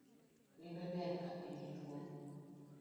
Limbe ber ka ingi thuolo